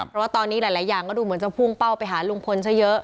เพราะว่าตอนนี้หลายอย่างก็ดูเหมือนจะพุ่งเป้าไปหาลุงพลซะเยอะ